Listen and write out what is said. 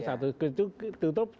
satu itu tutup